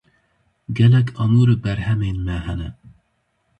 Gelek amûr û berhemên me hene.